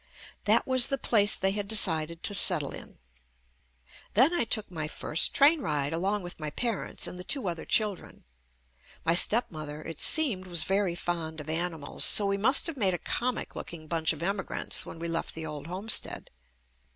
That was the place they had de cided to settle in. Then I took my first train ride along with my parents and the two other children. My step mother, it seemed, was very fond of animals, $o we must have made a comic looking bunch of emigrants when we left the old homestead.